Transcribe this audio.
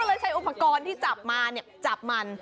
ก็เลยใช้ประกอบที่จับมาเนี่ยจับมัน